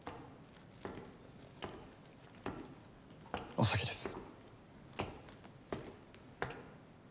お先です。